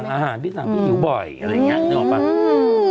สั่งอาหารพี่สั่งพี่อิ๊วบ่อยอะไรอย่างนี้